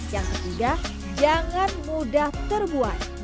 yang ketiga jangan mudah terbuat